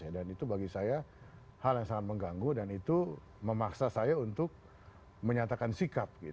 dan itu bagi saya hal yang sangat mengganggu dan itu memaksa saya untuk menyatakan sikap